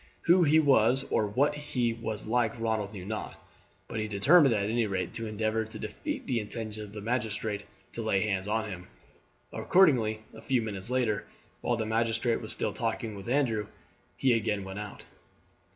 Who he was or what he was like Ronald knew not; but he determined at any rate to endeavour to defeat the intentions of the magistrate to lay hands on him. Accordingly a few minutes later, while the magistrate was still talking with Andrew, he again went out.